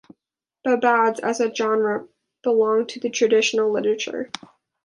"Babads" as a genre belong to the traditional literature.